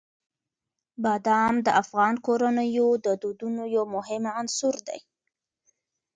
بادام د افغان کورنیو د دودونو یو مهم عنصر دی.